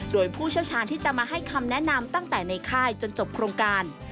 โดยผู้เชี่ยวชาญที่จะมาให้คำแนะนำตั้งแต่ในค่ายจนจบโครงการ